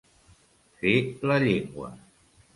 Fer la llengua.